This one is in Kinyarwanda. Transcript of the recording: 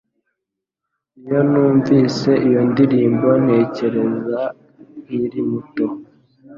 Iyo numvise iyo ndirimbo, ntekereza nkiri muto